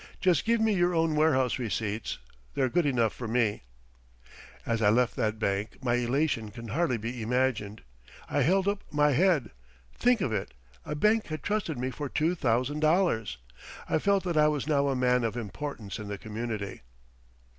"Just give me your own warehouse receipts; they're good enough for me." As I left that bank, my elation can hardly be imagined. I held up my head think of it, a bank had trusted me for $2,000! I felt that I was now a man of importance in the community.